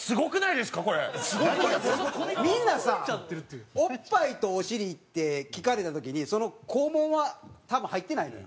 みんなさオッパイとお尻って聞かれた時に肛門は多分入ってないねん。